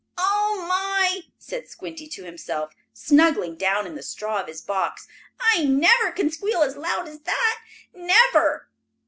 "Oh my!" said Squinty to himself, snuggling down in the straw of his box. "I never can squeal as loud as that. Never!"